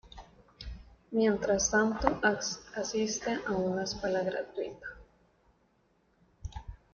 Mientras tanto, asiste a una escuela gratuita.